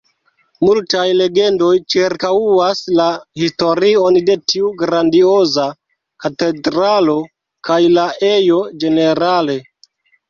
Multaj legendoj ĉirkaŭas la historion de tiu grandioza katedralo, kaj la ejo ĝenerale.